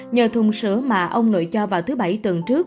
nhờ thùng sữa mà ông nội cho vào thứ bảy tuần trước